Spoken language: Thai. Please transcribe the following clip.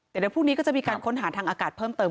แต่เดี๋ยวพรุ่งนี้ก็จะมีการค้นหาทางอากาศเพิ่มเติม